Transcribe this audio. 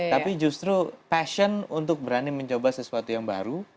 tapi justru passion untuk berani mencoba sesuatu yang baru